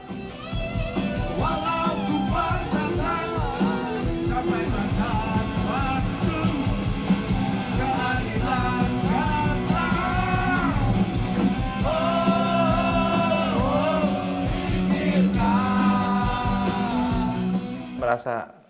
sampai makan waktu keadilan kata oh oh dikirkan